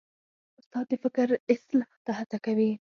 استاد د فکر اصلاح ته هڅه کوي.